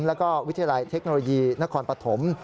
แล้วก็วิทยาลัยเทคโนโลยีนครปฐม